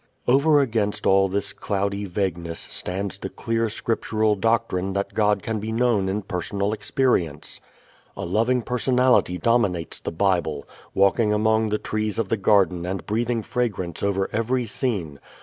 Over against all this cloudy vagueness stands the clear scriptural doctrine that God can be known in personal experience. A loving Personality dominates the Bible, walking among the trees of the garden and breathing fragrance over every scene.